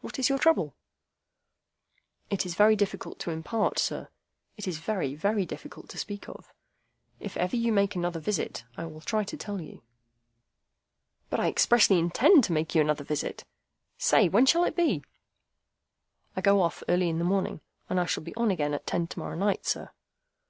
What is your trouble?" "It is very difficult to impart, sir. It is very, very difficult to speak of. If ever you make me another visit, I will try to tell you." "But I expressly intend to make you another visit. Say, when shall it be?" "I go off early in the morning, and I shall be on again at ten to morrow night, sir."